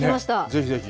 ぜひぜひ。